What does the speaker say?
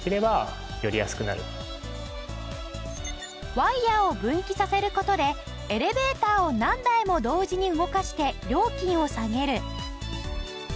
ワイヤを分岐させる事でエレベーターを何台も同時に動かして料金を下げる。